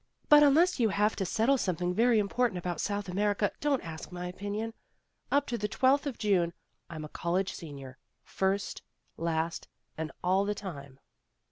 But unless you have to settle something very im portant about South America, don't ask my opinion. Up to the twelfth of June, I'm a college senior, first, last and all the time."